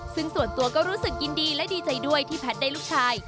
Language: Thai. ซึ่งส่วนตัวก็รู้สึกยินดีและดีใจด้วยที่แพทย์ได้ลูกชาย